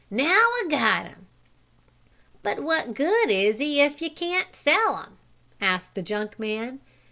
Now I got him." "But what good is he if you can't sell him?" asked the junk man.